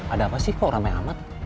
ada apa sih kok ramai amat